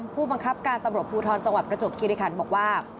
ผู้บังคับการตำรวจภูทรจังหวัดประจวบคิริคันบอกว่า